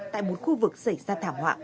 tại một khu vực xảy ra thảm họa